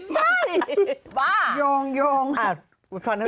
ไม่ใช่ตัวคิสมาส